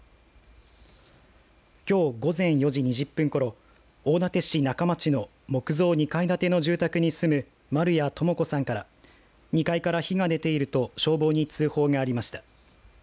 きょう午前４時２０分ごろ大館市中町の木造２階建ての住宅に住む丸谷智子さんから２階から火が出ていると消防に通報がありました。